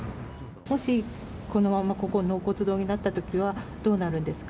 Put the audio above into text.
もしこのままここ、納骨堂になったときは、どうなるんですか？